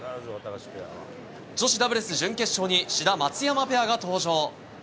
女子ダブルス準決勝に志田、松山ペアが登場。